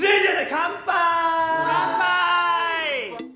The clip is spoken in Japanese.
乾杯！